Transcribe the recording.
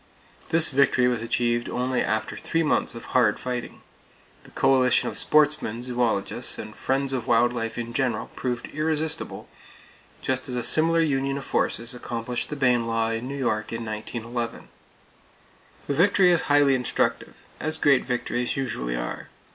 This victory was achieved only after three months of hard fighting. The coalition of sportsmen, zoologists and friends of wild life in general proved irresistible, just as a similar union of forces accomplished the Bayne law in New York in 1911. The victory is highly instructive, as great victories usually are.